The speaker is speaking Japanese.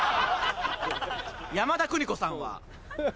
山田邦子さんは。